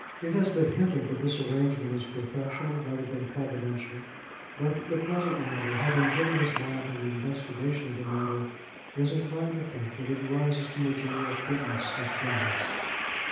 It has been hinted that this arrangement is professional rather than providential; but the present writer, having given his mind to the investigation of the matter, is inclined to think that it arises from the general fitness of things.